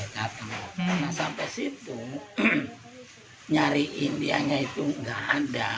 karena sampai situ nyari indianya itu tidak ada